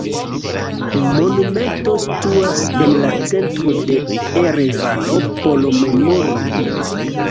Monumento situas en la centro de Erevano por memori lin.